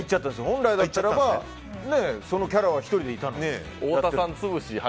本来だったらそのキャラは１人いたのに。